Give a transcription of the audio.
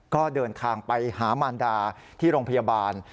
ก็เดินทางไปหามารดาที่โรงพยาบาล